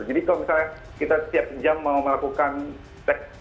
jadi kalau misalnya kita setiap jam mau melakukan tes di handphone